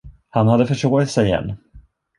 Han hade försovit sig igen.